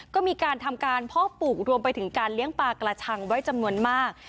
ก็มีการทำการเพาะปลูกรวมไปถึงการเลี้ยงปลากระชังไว้จำนวนมาก